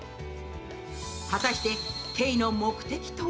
果たして慧の目的とは？